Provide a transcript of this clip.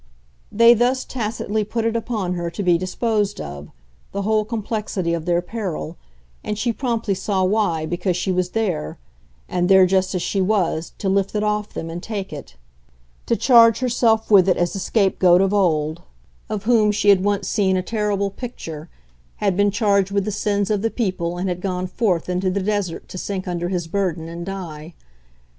They thus tacitly put it upon her to be disposed of, the whole complexity of their peril, and she promptly saw why because she was there, and there just as she was, to lift it off them and take it; to charge herself with it as the scapegoat of old, of whom she had once seen a terrible picture, had been charged with the sins of the people and had gone forth into the desert to sink under his burden and die.